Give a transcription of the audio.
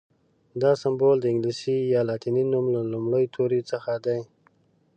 دا سمبول د انګلیسي یا لاتیني نوم له لومړي توري څخه دی.